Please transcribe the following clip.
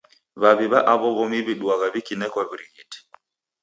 W'aw'i w'a aw'o w'omi w'iduagha w'ikinekwa w'urighiti.